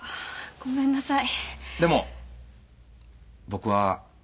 ごめんなさい。